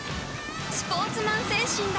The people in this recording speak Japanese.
スポーツマン精神だ！